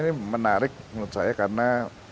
ini menarik menurut saya karena